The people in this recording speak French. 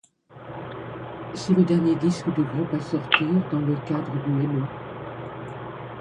C'est le dernier disque du groupe à sortir dans le cadre du Hello!